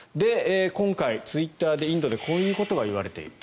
今回、ツイッターでインドでこういうことがいわれている。